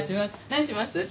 何にします？